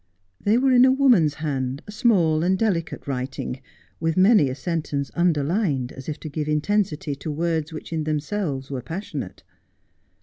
They were in a woman's hand, a small and delicate writing, with many a sentence underlined, as if to give intensity to words which in themselves were passionate.